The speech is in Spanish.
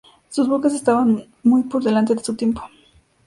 Sus buques estaban muy por delante de su tiempo.